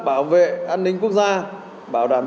bảo vệ an ninh quốc gia bảo đảm